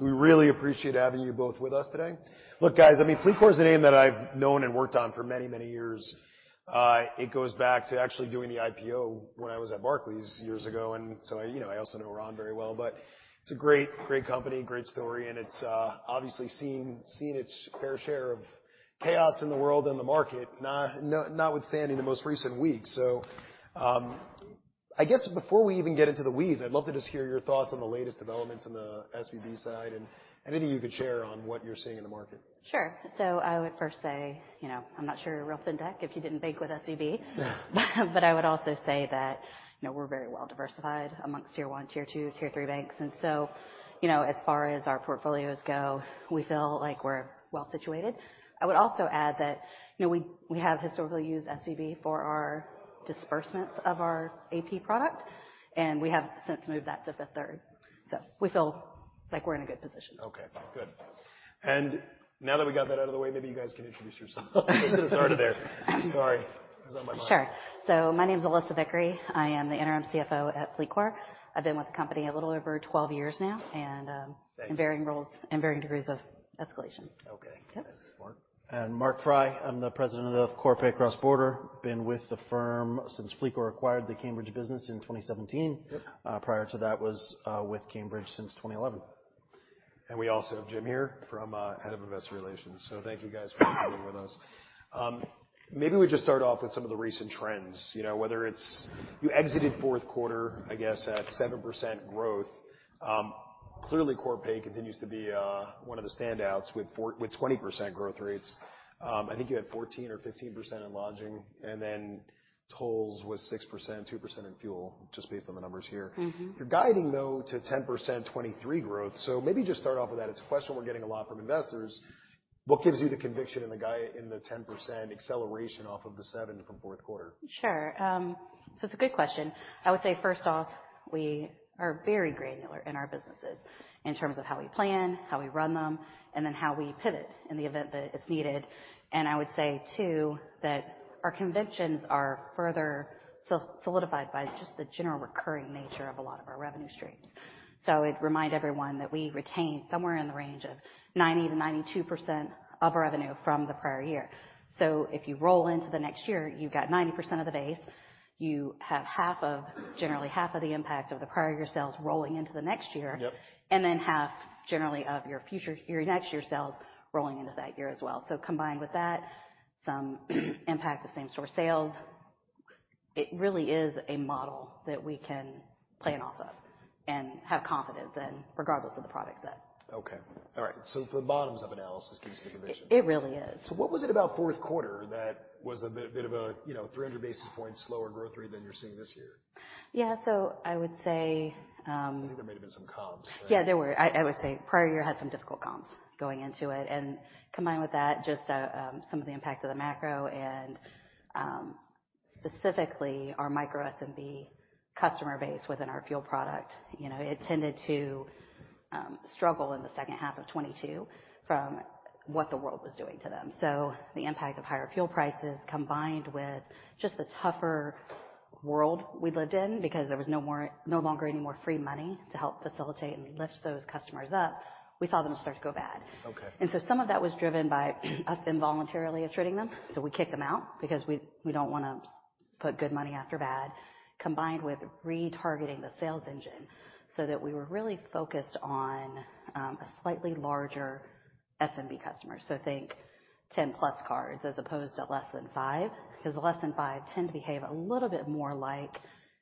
We really appreciate having you both with us today. Look, guys, I mean, FLEETCOR is a name that I've known and worked on for many, many years. It goes back to actually doing the IPO when I was at Barclays years ago. You know, I also know Ron very well. It's a great company, great story, and it's obviously seen its fair share of chaos in the world and the market, notwithstanding the most recent weeks. I guess before we even get into the weeds, I'd love to just hear your thoughts on the latest developments on the SVB side and anything you could share on what you're seeing in the market. Sure. I would first say, you know, I'm not sure you're real fintech if you didn't bank with SVB. Yeah. I would also say that, you know, we're very well diversified amongst tier one, tier two, tier three banks. As far as our portfolios go, we feel like we're well situated. I would also add that, you know, we have historically used SVB for our disbursements of our AP product, and we have since moved that to Fifth Third. We feel like we're in a good position. Okay, good. Now that we got that out of the way, maybe you guys can introduce yourselves. I should have started there. Sorry. It was on my mind. Sure. My name is Alissa Vickery. I am the Interim CFO at FLEETCOR. I've been with the company a little over 12 years now. Thanks. In varying roles and varying degrees of escalation. Okay. Yep. Thanks. Mark? Mark Frey. I'm the President of Corpay Cross-Border. Been with the firm since FLEETCOR acquired the Cambridge business in 2017. Yep. Prior to that was with Cambridge since 2011. We also have Jim here from, head of investor relations. Thank you guys for being with us. Maybe we just start off with some of the recent trends. You know, whether it's you exited fourth quarter, I guess, at 7% growth. Clearly, Corpay continues to be one of the standouts with 20% growth rates. I think you had 14% or 15% in lodging, and then tolls was 6%, 2% in fuel, just based on the numbers here. Mm-hmm. You're guiding though to 10% 2023 growth. Maybe just start off with that. It's a question we're getting a lot from investors. What gives you the conviction and the guy in the 10% acceleration off of the 7% from fourth quarter? Sure. It's a good question. I would say, first off, we are very granular in our businesses in terms of how we plan, how we run them, and then how we pivot in the event that it's needed. I would say too, that our convictions are further solidified by just the general recurring nature of a lot of our revenue streams. I'd remind everyone that we retain somewhere in the range of 90%-92% of revenue from the prior year. If you roll into the next year, you've got 90% of the base. You have generally half of the impact of the prior year sales rolling into the next year. Yep. Half generally of your next year sales rolling into that year as well. Combined with that, some impact of same store sales, it really is a model that we can plan off of and have confidence in regardless of the product set. Okay. All right. For bottoms up analysis gives you the conviction. It really is. What was it about fourth quarter that was a bit of a, you know, 300 basis points slower growth rate than you're seeing this year? Yeah. I would say. I think there may have been some comps, right? There were. I would say prior year had some difficult comps going into it. Combined with that, just some of the impact of the macro and specifically our micro SMB customer base within our fuel product. You know, it tended to struggle in the second half of 2022 from what the world was doing to them. The impact of higher fuel prices, combined with just the tougher world we lived in because there was no longer any more free money to help facilitate and lift those customers up, we saw them start to go bad. Okay. Some of that was driven by us involuntarily attriting them. We kicked them out because we don't wanna put good money after bad, combined with retargeting the sales engine so that we were really focused on a slightly larger SMB customer. Think 10 plus cards as opposed to less than 5, 'cause less than 5 tend to behave a little bit more like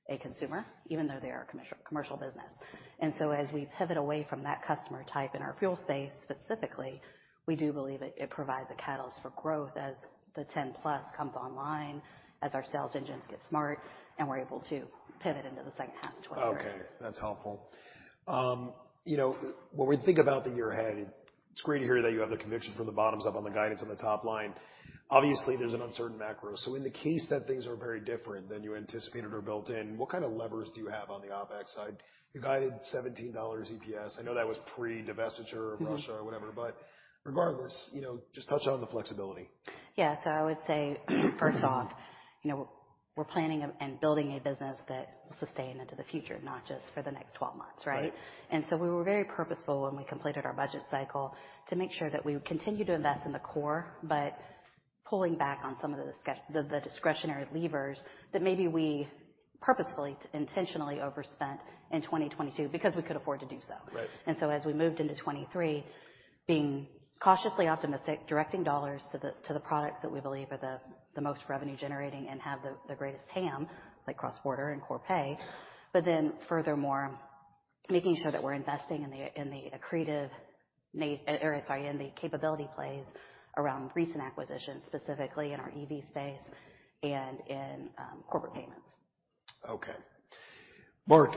a consumer, even though they are a commercial business. As we pivot away from that customer type in our fuel space, specifically, we do believe it provides a catalyst for growth as the 10 plus comes online, as our sales engines get smart, and we're able to pivot into the second half of 2023. Okay. That's helpful. You know, when we think about the year ahead, it's great to hear that you have the conviction from the bottoms up on the guidance on the top line. Obviously, there's an uncertain macro. In the case that things are very different than you anticipated or built in, what kind of levers do you have on the OpEx side? You guided $17 EPS. I know that was pre-divestiture- Mm-hmm. Russia or whatever. Regardless, you know, just touch on the flexibility. Yeah. I would say, first off, you know, we're planning and building a business that will sustain into the future, not just for the next 12 months, right? Right. We were very purposeful when we completed our budget cycle to make sure that we would continue to invest in the core, but pulling back on some of the discretionary levers that maybe we purposefully, intentionally overspent in 2022 because we could afford to do so. Right. As we moved into 2023, being cautiously optimistic, directing dollars to the products that we believe are the most revenue generating and have the greatest TAM, like Cross-Border and Corpay, but then furthermore, making sure that we're investing in the accretive or sorry, in the capability plays around recent acquisitions, specifically in our EV space and in corporate payments. Okay. Mark,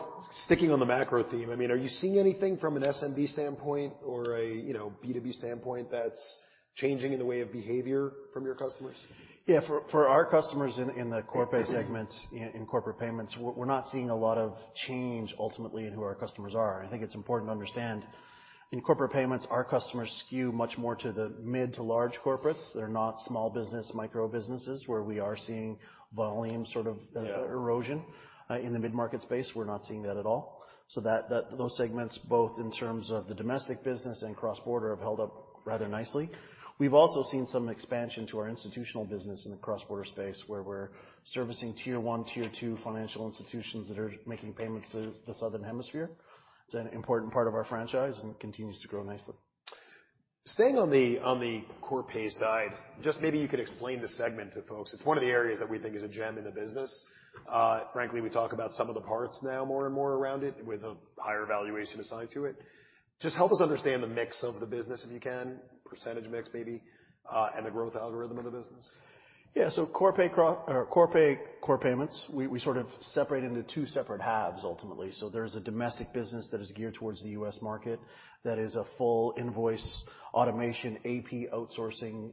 sticking on the macro theme, I mean, are you seeing anything from an SMB standpoint or a, you know, B2B standpoint that's changing in the way of behavior from your customers? Yeah. For our customers in the Corpay segments, in corporate payments, we're not seeing a lot of change ultimately in who our customers are. I think it's important to understand in corporate payments, our customers skew much more to the mid to large corporates. They're not small business, micro businesses, where we are seeing volume. Yeah erosion. In the mid-market space, we're not seeing that at all. Those segments, both in terms of the domestic business and cross-border, have held up rather nicely. We've also seen some expansion to our institutional business in the cross-border space, where we're servicing tier one, tier two financial institutions that are making payments to the Southern Hemisphere. It's an important part of our franchise and continues to grow nicely. Staying on the Corpay side, just maybe you could explain the segment to folks. It's one of the areas that we think is a gem in the business. frankly, we talk about some of the parts now more and more around it with a higher valuation assigned to it. Just help us understand the mix of the business, if you can, percentage mix maybe, and the growth algorithm of the business. Corpay or Corpay core payments, we sort of separate into two separate halves ultimately. There's a domestic business that is geared towards the U.S. market that is a full invoice automation AP outsourcing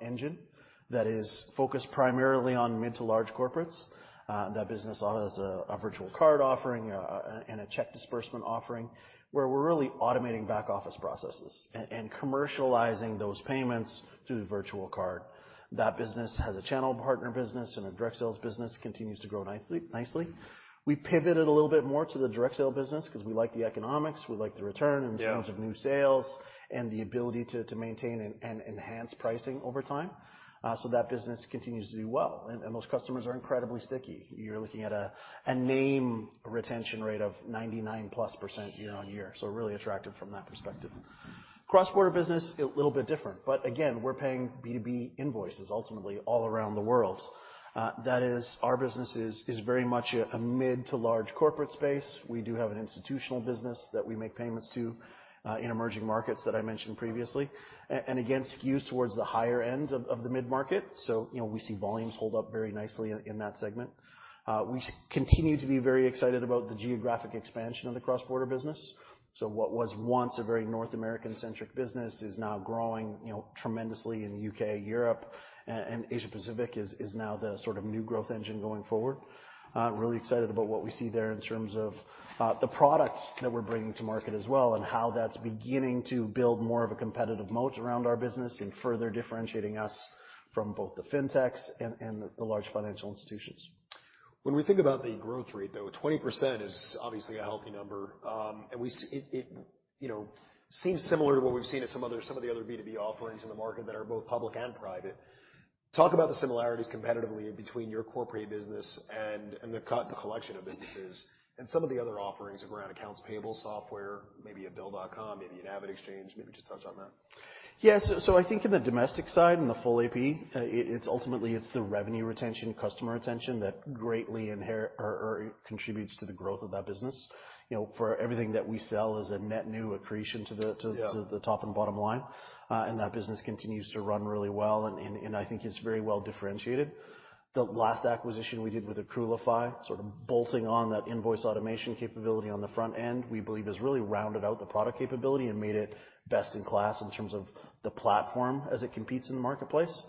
engine that is focused primarily on mid to large corporates. That business offers a virtual card offering and a check disbursement offering, where we're really automating back office processes and commercializing those payments through the virtual card. That business has a channel partner business, and the direct sales business continues to grow nicely. We pivoted a little bit more to the direct sale business 'cause we like the economics, we like the return- Yeah in terms of new sales and the ability to maintain and enhance pricing over time. That business continues to do well, and those customers are incredibly sticky. You're looking at a name retention rate of 99%+ year on year, really attractive from that perspective. Cross-border business, a little bit different, again, we're paying B2B invoices ultimately all around the world. Our business is very much a mid to large corporate space. We do have an institutional business that we make payments to in emerging markets that I mentioned previously, and again, skews towards the higher end of the mid-market. You know, we see volumes hold up very nicely in that segment. We continue to be very excited about the geographic expansion of the cross-border business. What was once a very North American-centric business is now growing, you know, tremendously in the UK, Europe, and Asia Pacific is now the sort of new growth engine going forward. Really excited about what we see there in terms of the products that we're bringing to market as well and how that's beginning to build more of a competitive moat around our business and further differentiating us from both the fintechs and the large financial institutions. When we think about the growth rate, though, 20% is obviously a healthy number. It, you know, seems similar to what we've seen at some other, some of the other B2B offerings in the market that are both public and private. Talk about the similarities competitively between your Corpay business and the collection of businesses and some of the other offerings around accounts payable software, maybe a Bill.com, maybe an AvidXchange. Maybe just touch on that. I think in the domestic side, in the full AP, it's ultimately it's the revenue retention, customer retention that greatly inherit or contributes to the growth of that business. You know, for everything that we sell is a net new accretion. Yeah to the top and bottom line. That business continues to run really well, and I think it's very well differentiated. The last acquisition we did with Accrualify, sort of bolting on that invoice automation capability on the front end, we believe has really rounded out the product capability and made it best in class in terms of the platform as it competes in the marketplace.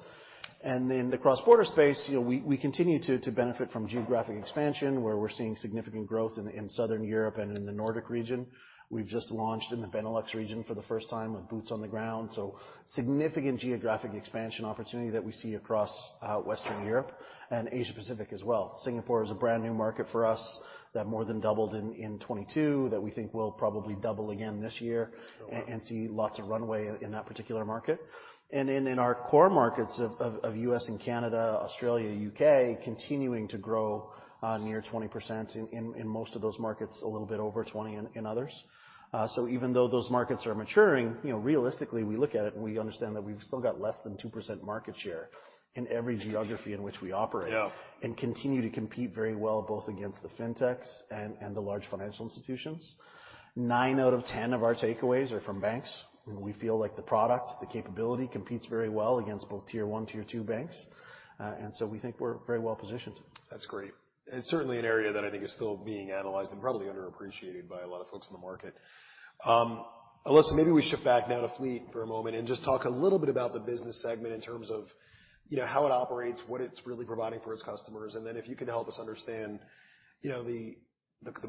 In the cross-border space, you know, we continue to benefit from geographic expansion, where we're seeing significant growth in Southern Europe and in the Nordic region. We've just launched in the Benelux region for the first time with boots on the ground, so significant geographic expansion opportunity that we see across Western Europe and Asia Pacific as well. Singapore is a brand-new market for us that more than doubled in 2022, that we think will probably double again this year. Wow See lots of runway in that particular market. In our core markets of U.S. and Canada, Australia, U.K., continuing to grow, near 20% in most of those markets, a little bit over 20 in others. Even though those markets are maturing, you know, realistically, we look at it and we understand that we've still got less than 2% market share in every geography in which we operate. Yeah continue to compete very well, both against the fintechs and the large financial institutions. Nine out of 10 of our takeaways are from banks. We feel like the product, the capability competes very well against both tier one, tier two banks. We think we're very well positioned. That's great. It's certainly an area that I think is still being analyzed and probably underappreciated by a lot of folks in the market. Alissa, maybe we shift back now to Fleet for a moment and just talk a little bit about the business segment in terms of, you know, how it operates, what it's really providing for its customers, and then if you can help us understand, you know, the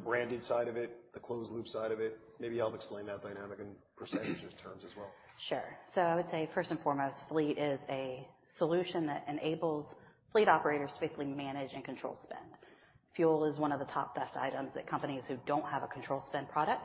branded side of it, the closed loop side of it. Maybe help explain that dynamic in percentages terms as well. Sure. I would say first and foremost, Fleet is a solution that enables fleet operators to quickly manage and control spend. Fuel is one of the top theft items that companies who don't have a control spend product.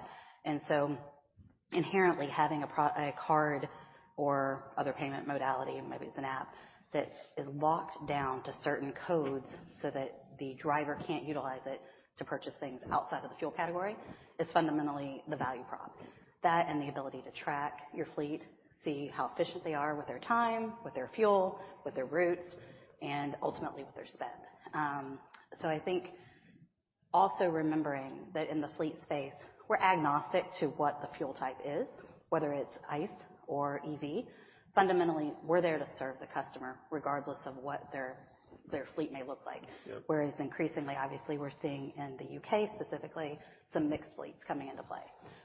Inherently, having a card or other payment modality, maybe it's an app, that is locked down to certain codes so that the driver can't utilize it to purchase things outside of the fuel category is fundamentally the value prop. That and the ability to track your fleet, see how efficient they are with their time, with their fuel, with their routes, and ultimately with their spend. I think also remembering that in the fleet space, we're agnostic to what the fuel type is, whether it's ICE or EV. Fundamentally, we're there to serve the customer regardless of what their fleet may look like. Yeah. Whereas increasingly, obviously, we're seeing in the UK specifically, some mixed fleets coming into play,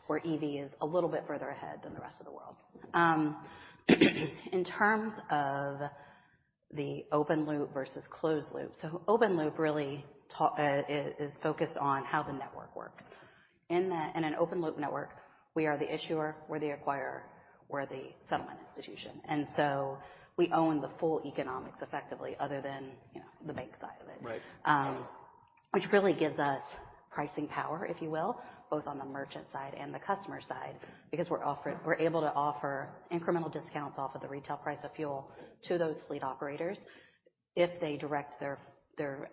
where EV is a little bit further ahead than the rest of the world. The open loop versus closed loop. Open loop really is focused on how the network works. In an open loop network, we are the issuer or the acquirer or the settlement institution, we own the full economics effectively other than, you know, the bank side of it. Right. Which really gives us pricing power, if you will, both on the merchant side and the customer side, because we're able to offer incremental discounts off of the retail price of fuel to those fleet operators if they direct their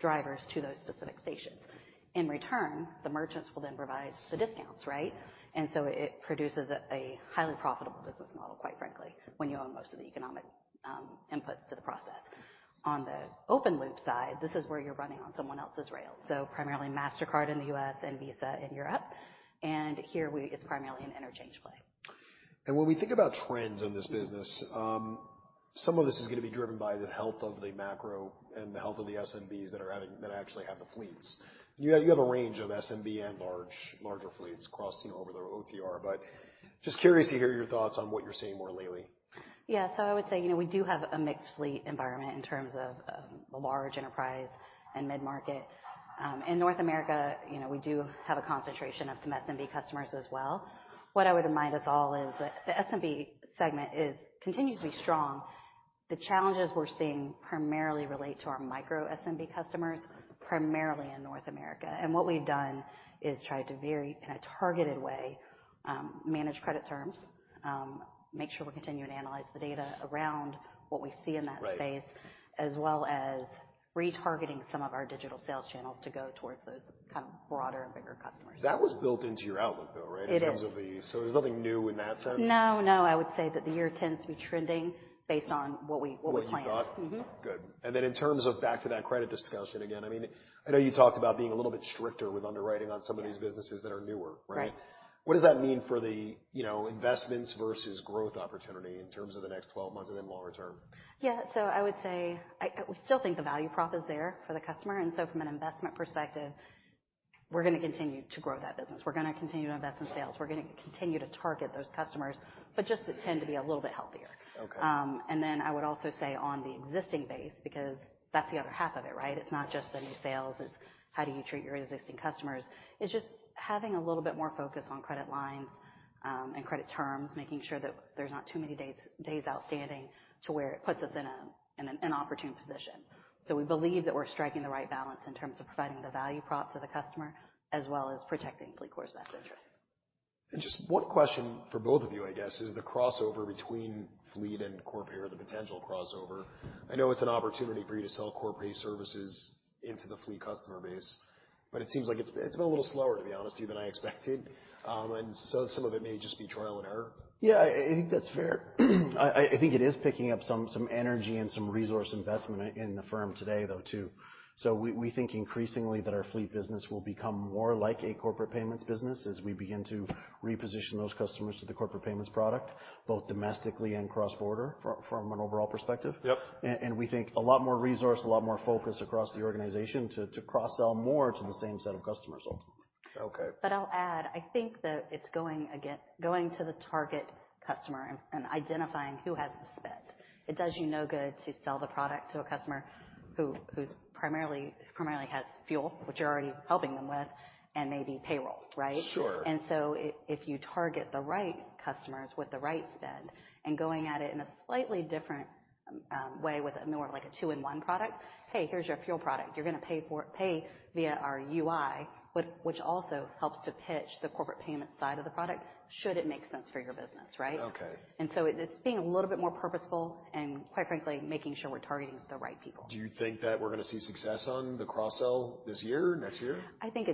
drivers to those specific stations. In return, the merchants will then provide the discounts, right? It produces a highly profitable business model, quite frankly, when you own most of the economic inputs to the process. On the open loop side, this is where you're running on someone else's rail. Primarily Mastercard in the U.S. and Visa in Europe. Here it's primarily an interchange play. When we think about trends in this business, some of this is gonna be driven by the health of the macro and the health of the SMBs that actually have the fleets. You have a range of SMB and large, larger fleets crossing over to OTR. Just curious to hear your thoughts on what you're seeing more lately. I would say, you know, we do have a mixed fleet environment in terms of, large enterprise and mid-market. In North America, you know, we do have a concentration of some SMB customers as well. What I would remind us all is that the SMB segment is continuously strong. The challenges we're seeing primarily relate to our micro SMB customers, primarily in North America. What we've done is try to very, in a targeted way, manage credit terms, make sure we continue to analyze the data around what we see in that space. Right. -as well as retargeting some of our digital sales channels to go towards those kind of broader and bigger customers. That was built into your outlook, though, right? It is. There's nothing new in that sense. No, no. I would say that the year tends to be trending based on what we, what we planned. What you thought. Mm-hmm. Good. Then in terms of back to that credit discussion again, I mean, I know you talked about being a little bit stricter with underwriting on some of these businesses that are newer, right? Right. What does that mean for the, you know, investments versus growth opportunity in terms of the next 12 months and then longer term? Yeah. I still think the value prop is there for the customer, from an investment perspective, we're gonna continue to grow that business. We're gonna continue to invest in sales. We're gonna continue to target those customers, just that tend to be a little bit healthier. Okay. I would also say on the existing base, because that's the other half of it, right? It's not just the new sales, it's how do you treat your existing customers. It's just having a little bit more focus on credit lines, and credit terms, making sure that there's not too many days outstanding to where it puts us in an inopportune position. We believe that we're striking the right balance in terms of providing the value prop to the customer as well as protecting FLEETCOR's best interests. Just one question for both of you, I guess, is the crossover between fleet and corporate or the potential crossover. I know it's an opportunity for you to sell corporate services into the fleet customer base, but it seems like it's been a little slower, to be honest with you, than I expected. Some of it may just be trial and error. Yeah, I think that's fair. I think it is picking up some energy and some resource investment in the firm today, though, too. We think increasingly that our fleet business will become more like a corporate payments business as we begin to reposition those customers to the corporate payments product, both domestically and cross-border from an overall perspective. Yep. We think a lot more resource, a lot more focus across the organization to cross-sell more to the same set of customers ultimately. Okay. I'll add, I think that it's going to the target customer and identifying who has the spend. It does you no good to sell the product to a customer who's primarily has fuel, which you're already helping them with, and maybe payroll, right? Sure. If you target the right customers with the right spend and going at it in a slightly different way with a more like a two-in-one product. "Hey, here's your fuel product. You're gonna pay via our UI," which also helps to pitch the corporate payment side of the product, should it make sense for your business, right? Okay. It's being a little bit more purposeful and quite frankly, making sure we're targeting the right people. Do you think that we're gonna see success on the cross-sell this year, next year? I think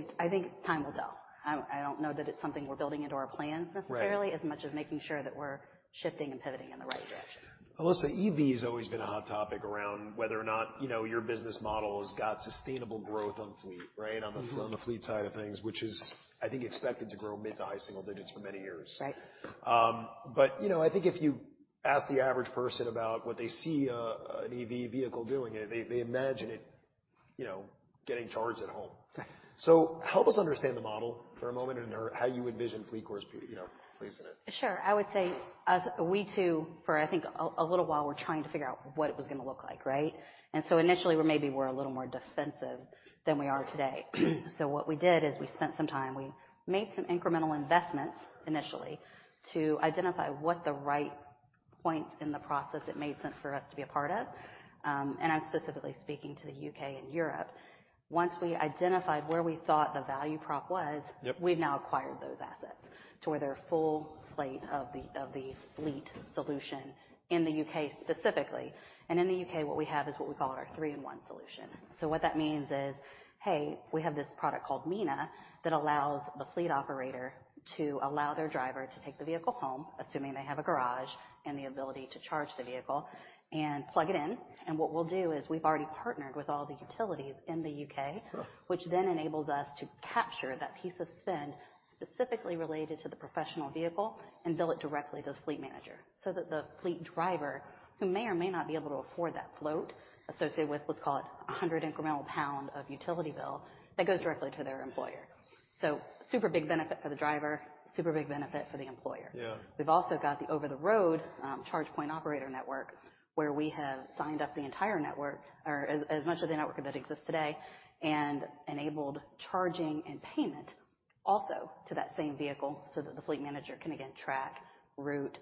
time will tell. I don't know that it's something we're building into our plans necessarily. Right. as much as making sure that we're shifting and pivoting in the right direction. Alissa, EV's always been a hot topic around whether or not, you know, your business model has got sustainable growth on fleet, right? Mm-hmm. On the fleet side of things, which is, I think, expected to grow mid to high single digits for many years. Right. You know, I think if you ask the average person about what they see, an EV vehicle doing, they imagine it, you know, getting charged at home. Right. help us understand the model for a moment and how you envision FLEETCOR's you know, place in it. Sure. I would say as we too, for I think a little while, were trying to figure out what it was gonna look like, right? Initially, maybe were a little more defensive than we are today. What we did is we spent some time, we made some incremental investments initially to identify what the right point in the process it made sense for us to be a part of. I'm specifically speaking to the U.K. and Europe. Once we identified where we thought the value prop was- Yep. we've now acquired those assets to where they're a full slate of the, of the fleet solution in the U.K. specifically. In the U.K., what we have is what we call our three-in-one solution. What that means is, hey, we have this product called Mina that allows the fleet operator to allow their driver to take the vehicle home, assuming they have a garage and the ability to charge the vehicle and plug it in. What we'll do is we've already partnered with all the utilities in the U.K. Sure. which then enables us to capture that piece of spend specifically related to the professional vehicle and bill it directly to the fleet manager, so that the fleet driver, who may or may not be able to afford that float associated with, let's call it a 100 incremental GBP of utility bill, that goes directly to their employer. Super big benefit for the driver, super big benefit for the employer. Yeah. We've also got the over-the-road charge point operator network, where we have signed up the entire network or as much of the network that exists today and enabled charging and payment also to that same vehicle so that the fleet manager can again track route,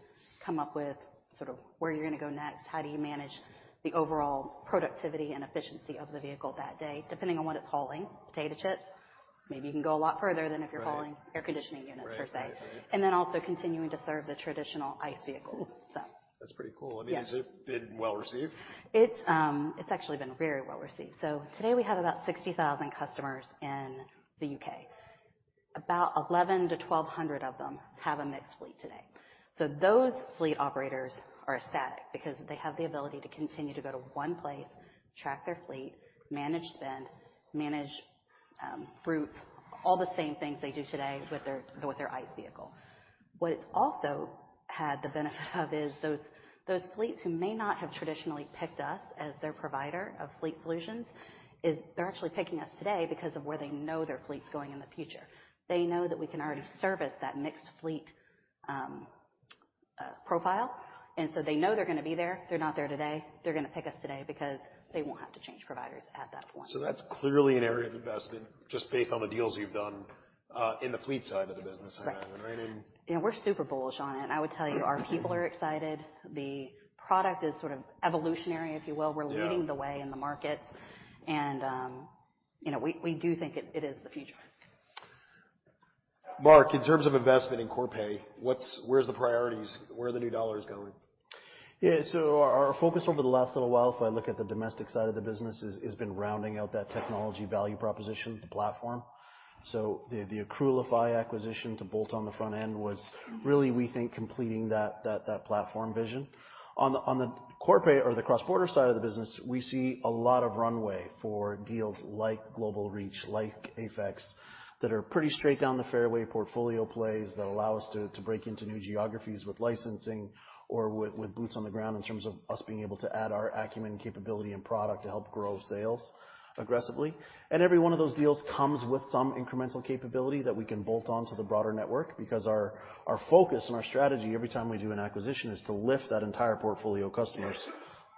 come up with sort of where you're gonna go next, how do you manage the overall productivity and efficiency of the vehicle that day, depending on what it's hauling. Potato chips, maybe you can go a lot further than if you're hauling. Right. air conditioning units, per se. Right. Also continuing to serve the traditional ICE vehicle. That's pretty cool. Yes. I mean, has it been well received? It's actually been very well received. Today we have about 60,000 customers in the U.K. About 1,100-1,200 of them have a mixed fleet today. Those fleet operators are ecstatic because they have the ability to continue to go to one place, track their fleet, manage spend, manage routes, all the same things they do today with their ICE vehicle. What it also had the benefit of is those fleets who may not have traditionally picked us as their provider of fleet solutions is they're actually picking us today because of where they know their fleet's going in the future. They know that we can already service that mixed fleet profile, they know they're gonna be there. They're not there today. They're gonna pick us today because they won't have to change providers at that point. That's clearly an area of investment just based on the deals you've done, in the fleet side of the business, I imagine, right? Yeah. We're super bullish on it. I would tell you our people are excited. The product is sort of evolutionary, if you will. Yeah. We're leading the way in the market, and, you know, we do think it is the future. Mark, in terms of investment in Corpay, where's the priorities? Where are the new dollars going? Our focus over the last little while, if I look at the domestic side of the business, is been rounding out that technology value proposition platform. The Accrualify acquisition to bolt on the front end was really, we think, completing that platform vision. On the Corpay or the cross-border side of the business, we see a lot of runway for deals like Global Reach, like AFEX, that are pretty straight down the fairway portfolio plays that allow us to break into new geographies with licensing or with boots on the ground in terms of us being able to add our acumen, capability and product to help grow sales aggressively. Every one of those deals comes with some incremental capability that we can bolt on to the broader network because our focus and our strategy every time we do an acquisition is to lift that entire portfolio of customers,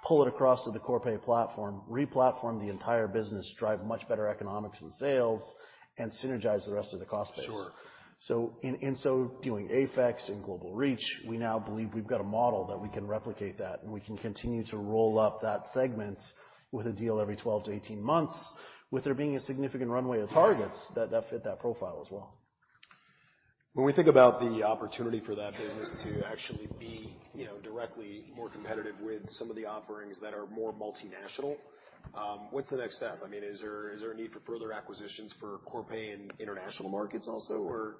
pull it across to the Corpay platform, replatform the entire business, drive much better economics and sales, and synergize the rest of the cost base. Sure. In and so doing AFEX and Global Reach, we now believe we've got a model that we can replicate that, and we can continue to roll up that segment with a deal every 12-18 months, with there being a significant runway of targets that fit that profile as well. When we think about the opportunity for that business to actually be, you know, directly more competitive with some of the offerings that are more multinational, what's the next step? I mean, is there, is there a need for further acquisitions for Corpay in international markets also, or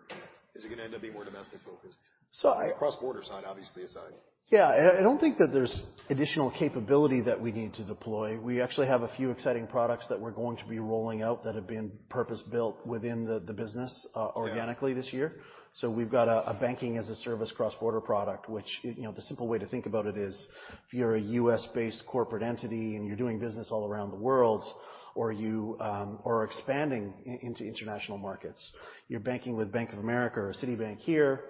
is it gonna end up being more domestic focused? So I- Cross-Border side obviously aside. I don't think that there's additional capability that we need to deploy. We actually have a few exciting products that we're going to be rolling out that have been purpose-built within the business organically this year. Yeah. We've got a Banking-as-a-Service cross-border product, which, you know, the simple way to think about it is if you're a U.S.-based corporate entity and you're doing business all around the world or you, or are expanding into international markets, you're banking with Bank of America or Citibank here,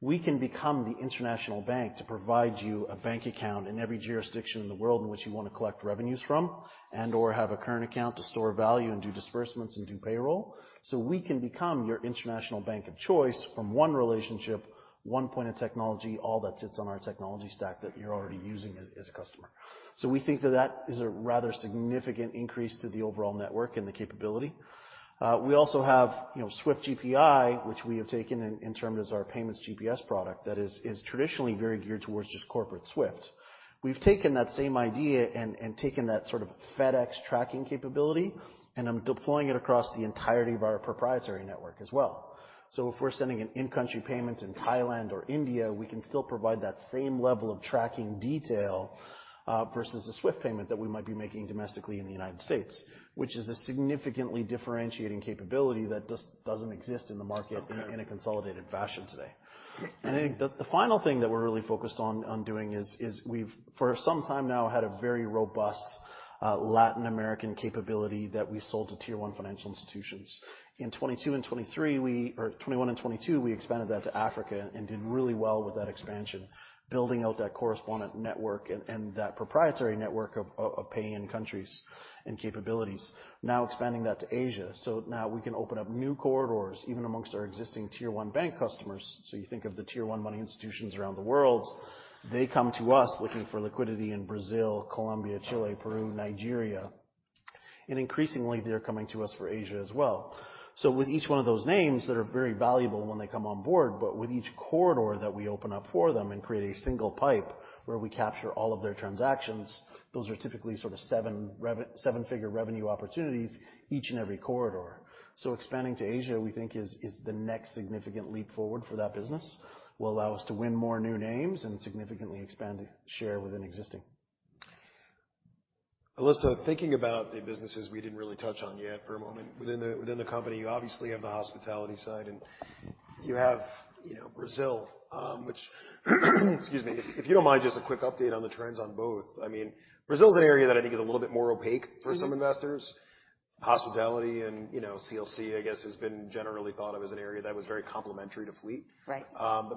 we can become the international bank to provide you a bank account in every jurisdiction in the world in which you wanna collect revenues from and/or have a current account to store value and do disbursements and do payroll. We can become your international bank of choice from one relationship, one point of technology, all that sits on our technology stack that you're already using as a customer. We think that that is a rather significant increase to the overall network and the capability. We also have, you know, SWIFT gpi, which we have taken in term as our Payments GPS product that is traditionally very geared towards just corporate SWIFT. We've taken that same idea and taken that sort of FedEx tracking capability, and I'm deploying it across the entirety of our proprietary network as well. If we're sending an in-country payment in Thailand or India, we can still provide that same level of tracking detail versus a SWIFT payment that we might be making domestically in the United States, which is a significantly differentiating capability that just doesn't exist in the market. Okay. in a consolidated fashion today. I think the final thing that we're really focused on doing is we've, for some time now, had a very robust Latin American capability that we sold to tier one financial institutions. In 2021 and 2022, we expanded that to Africa and did really well with that expansion, building out that correspondent network and that proprietary network of pay in countries and capabilities. Now expanding that to Asia. Now we can open up new corridors even amongst our existing tier one bank customers. You think of the tier one money institutions around the world, they come to us looking for liquidity in Brazil, Colombia, Chile, Peru, Nigeria, and increasingly, they're coming to us for Asia as well. With each one of those names that are very valuable when they come on board, but with each corridor that we open up for them and create a single pipe where we capture all of their transactions, those are typically sort of seven-figure revenue opportunities each and every corridor. Expanding to Asia, we think is the next significant leap forward for that business, will allow us to win more new names and significantly expand share within existing. Alissa, thinking about the businesses we didn't really touch on yet for a moment. Within the company, you obviously have the hospitality side and you have, you know, Brazil, which, excuse me, if you don't mind, just a quick update on the trends on both. I mean, Brazil is an area that I think is a little bit more opaque for some investors. Hospitality and, you know, CLC, I guess, has been generally thought of as an area that was very complimentary to fleet. Right.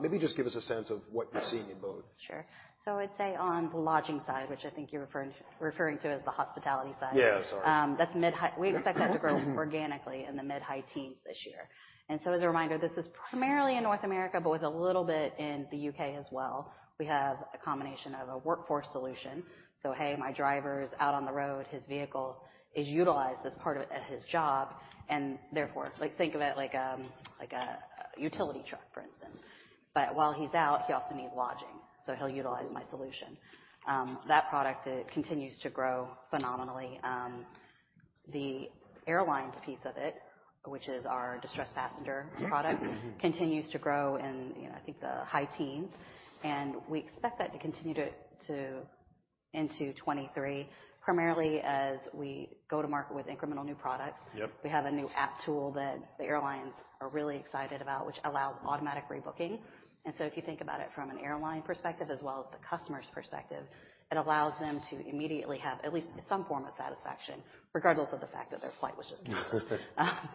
Maybe just give us a sense of what you're seeing in both. Sure. I'd say on the lodging side, which I think you're referring to as the hospitality side. Yeah. Sorry. That's mid high. We expect that to grow organically in the mid-high teens this year. As a reminder, this is primarily in North America, but with a little bit in the UK as well. We have a combination of a workforce solution. Hey, my driver is out on the road, his vehicle is utilized as part of his job, and therefore like, think about like a utility truck, for instance. While he's out, he also needs lodging, he'll utilize my solution. That product continues to grow phenomenally. The airlines piece of it, which is our distressed passenger product, continues to grow in, I think the high teens. We expect that to continue to into 2023, primarily as we go to market with incremental new products. Yep. We have a new app tool that the airlines are really excited about, which allows automatic rebooking. If you think about it from an airline perspective as well as the customer's perspective, it allows them to immediately have at least some form of satisfaction, regardless of the fact that their flight was just canceled.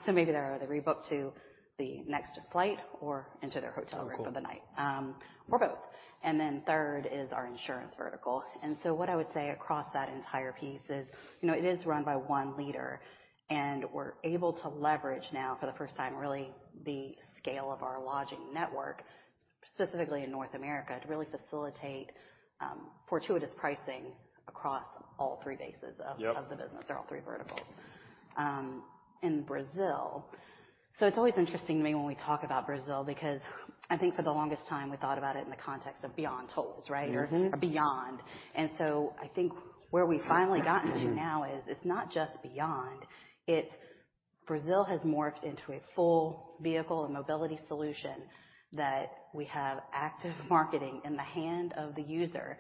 Maybe they rebook to the next flight or into their hotel room for the night, or both. Third is our insurance vertical. What I would say across that entire piece is it is run by 1 leader, and we're able to leverage now for the first time, really the scale of our lodging network, specifically in North America, to really facilitate fortuitous pricing across all 3 bases. Yep. of the business or all three verticals. In Brazil, it's always interesting to me when we talk about Brazil, because I think for the longest time we thought about it in the context of beyond tolls, right? Or beyond. I think where we've finally gotten to now is it's not just beyond. Brazil has morphed into a full vehicle and mobility solution that we have active marketing in the hand of the user.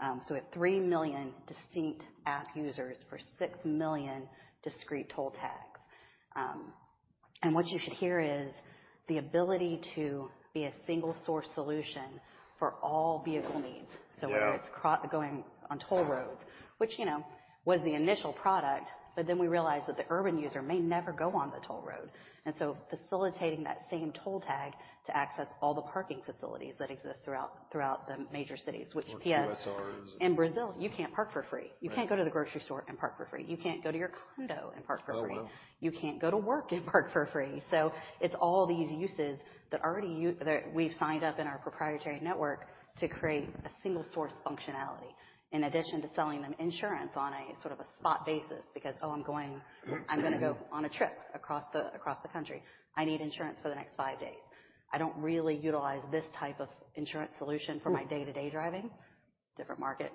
So we have 3 million distinct app users for 6 million discrete toll tags. What you should hear is the ability to be a single source solution for all vehicle needs. Yeah. Whether it's going on toll roads, which you know, was the initial product. We realized that the urban user may never go on the toll road. Facilitating that same toll tag to access all the parking facilities that exist throughout the major cities. QSRs. In Brazil, you can't park for free. You can't go to the grocery store and park for free. You can't go to your condo and park for free. Oh, wow. You can't go to work and park for free. It's all these uses that already that we've signed up in our proprietary network to create a single source functionality, in addition to selling them insurance on a sort of a spot basis because, oh, I'm going to go on a trip across the country. I need insurance for the next five days. I don't really utilize this type of insurance solution for my day-to-day driving. Different market.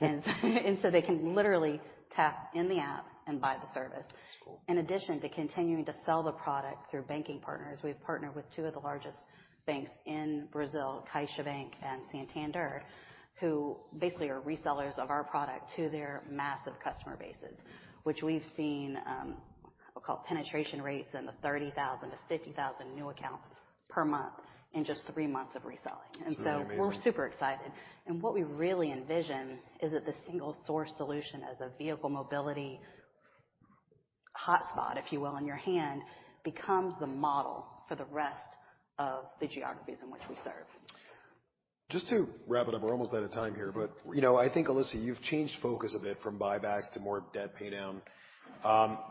So they can literally tap in the app and buy the service. That's cool. In addition to continuing to sell the product through banking partners, we've partnered with two of the largest banks in Brazil, Caixa Bank and Santander, who basically are resellers of our product to their massive customer bases, which we've seen, I'll call it penetration rates in the 30,000-50,000 new accounts per month in just three months of reselling. It's really amazing. We're super excited. What we really envision is that the single source solution as a vehicle mobility hotspot, if you will, in your hand, becomes the model for the rest of the geographies in which we serve. Just to wrap it up, we're almost out of time here, but, you know, I think, Alissa, you've changed focus a bit from buybacks to more debt paydown.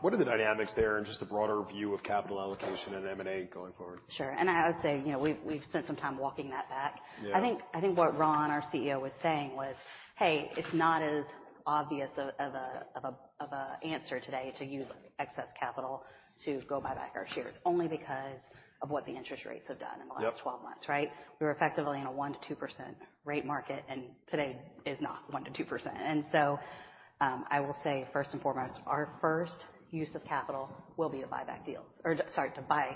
What are the dynamics there and just the broader view of capital allocation and M&A going forward? Sure. I would say, you know, we've spent some time walking that back. Yeah. I think what Ron, our CEO, was saying was, "Hey, it's not as obvious of a answer today to use excess capital to go buy back our shares only because of what the interest rates have done in the last 12 months." Right? Yep. We were effectively in a 1%-2% rate market, today is not 1%-2%. I will say, first and foremost, our first use of capital will be a buyback deal. Sorry, to buy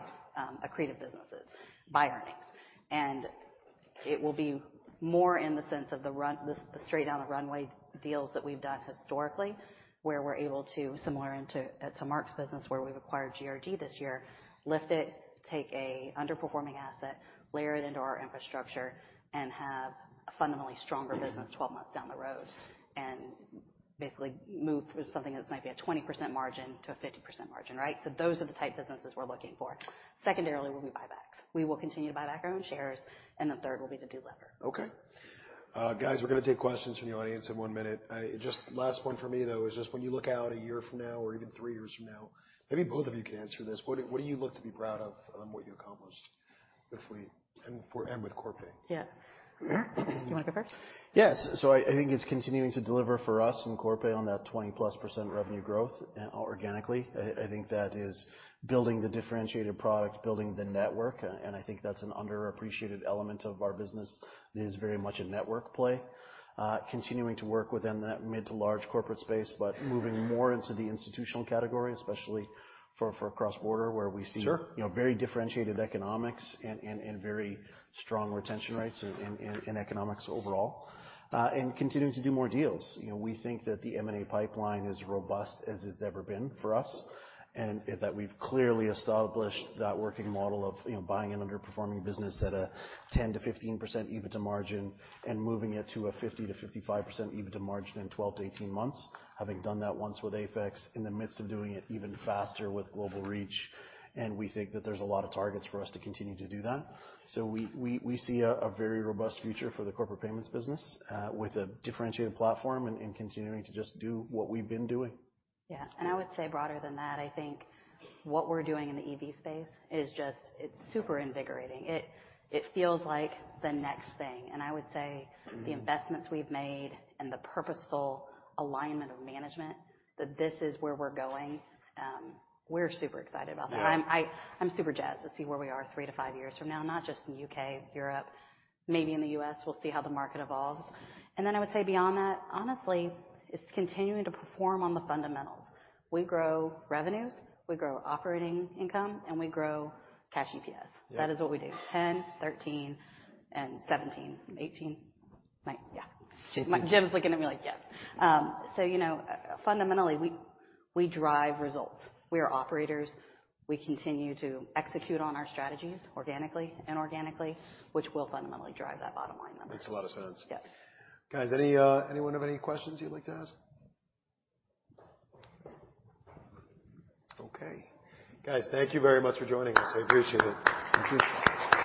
accretive businesses by earnings. It will be more in the sense of the straight down the runway deals that we've done historically, where we're able to to Mark's business, where we've acquired GRG this year, lift it, take a underperforming asset, layer it into our infrastructure, and have a fundamentally stronger business 12 months down the road, and basically move something that might be a 20% margin to a 50% margin, right? Those are the type businesses we're looking for. Secondarily, will be buybacks. We will continue to buy back our own shares, and the third will be the debt lever. Okay. guys, we're gonna take questions from the audience in one minute. last one for me, though, is just when you look out a year from now or even three years from now, maybe both of you can answer this. What do you look to be proud of on what you accomplished with Fleet and with Corpay? Yeah. Do you wanna go first? Yes. I think it's continuing to deliver for us in Corpay on that 20%+ revenue growth organically. I think that is building the differentiated product, building the network, and I think that's an underappreciated element of our business. It is very much a network play. Continuing to work within that mid to large corporate space, but moving more into the institutional category, especially for cross-border, where we see- Sure. You know, very differentiated economics and very strong retention rates in economics overall, continuing to do more deals. You know, we think that the M&A pipeline is robust as it's ever been for us, we've clearly established that working model of, you know, buying an underperforming business at a 10%-15% EBITDA margin and moving it to a 50%-55% EBITDA margin in 12-18 months. Having done that once with AFEX in the midst of doing it even faster with Global Reach, we think that there's a lot of targets for us to continue to do that. We see a very robust future for the corporate payments business, with a differentiated platform and continuing to just do what we've been doing. Yeah. I would say broader than that, I think what we're doing in the EV space is just... It's super invigorating. It feels like the next thing. I would say the investments we've made and the purposeful alignment of management, that this is where we're going, we're super excited about that. Yeah. I'm super jazzed to see where we are three to five years from now, not just in the UK, Europe, maybe in the US. We'll see how the market evolves. I would say beyond that, honestly, it's continuing to perform on the fundamentals. We grow revenues, we grow operating income, and we grow Cash EPS. Yeah. That is what we do. 10, 13, and 17, 18, 9. Yeah. Jesus. Jim's looking at me like, "Yes." you know, fundamentally, we drive results. We are operators. We continue to execute on our strategies organically and inorganically, which will fundamentally drive that bottom line number. Makes a lot of sense. Yes. Guys, any, anyone have any questions you'd like to ask? Okay. Guys, thank you very much for joining us. I appreciate it. Thank you.